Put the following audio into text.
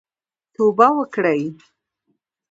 توبه وکړئ